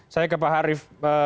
saya ke pak harif